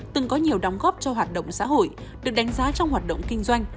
từng có nhiều đóng góp cho hoạt động xã hội được đánh giá trong hoạt động kinh doanh